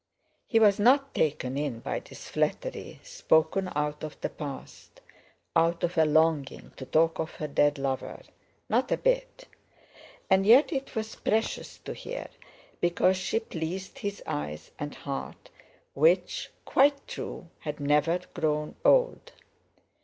He was not taken in by this flattery spoken out of the past, out of a longing to talk of her dead lover—not a bit; and yet it was precious to hear, because she pleased his eyes and heart which—quite true!—had never grown old.